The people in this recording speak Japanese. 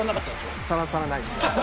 さらさらない。